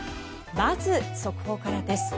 まず、速報からです。